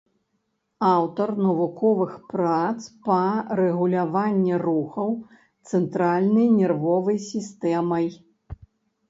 Аўтар навуковых прац па рэгуляванні рухаў цэнтральнай нервовай сістэмай.